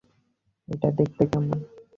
এটা দেখতে কেমন?